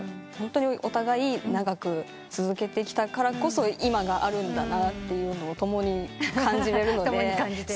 ホントにお互い長く続けてきたからこそ今があるんだなというのを共に感じられるので。